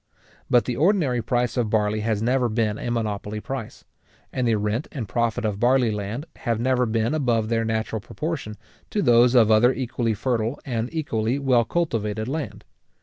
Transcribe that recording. But the ordinary price of barley has never been a monopoly price; and the rent and profit of barley land have never been above their natural proportion to those of other equally fertile and equally well cultivated land.